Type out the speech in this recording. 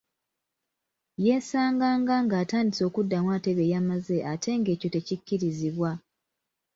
Yeesanganga ng’atandise okuddamu ate bye yamaze ate ng’ekyo tekikkirizibwa.